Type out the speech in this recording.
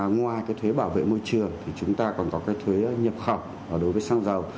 ngoài cái thuế bảo vệ môi trường thì chúng ta còn có cái thuế nhập khẩu đối với xăng dầu